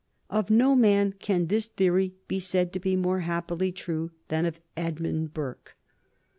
Of no man can this theory be said to be more happily true than of Edmund Burke.